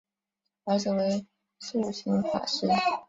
儿子为素性法师。